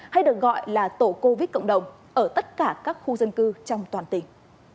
hay được gọi là tổ covid cộng đồng ở tất cả các khu dân cư trong toàn tỉnh